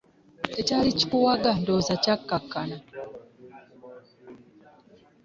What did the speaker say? Ekyali kikuwaga ndowooza kyakkakkana.